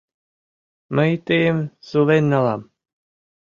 Мый тыйым сулен налам.